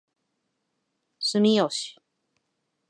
住吉